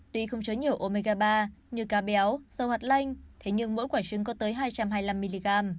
tuy không chứa nhiều omega ba như cá béo dầu hạt lanh thế nhưng mỗi quả trứng có tới hai trăm hai mươi năm mg